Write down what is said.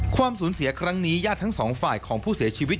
ความสูญเสียครั้งนี้ญาติทั้งสองฝ่ายของผู้เสียชีวิต